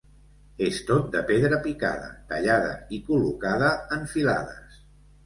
És tot de pedra picada, tallada i col·locada en filades.